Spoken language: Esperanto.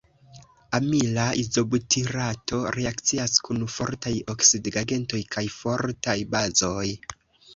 Amila izobutirato reakcias kun fortaj oksidigagentoj kaj fortaj bazoj.